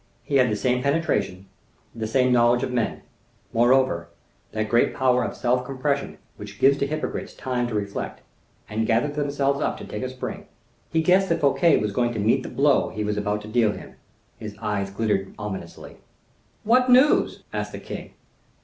He had the same penetration, the same knowledge of men; moreover, that great power of self compression which gives to hypocrites time to reflect, and gather themselves up to take a spring. He guessed that Fouquet was going to meet the blow he was about to deal him. His eyes glittered ominously. "What news?" asked the king.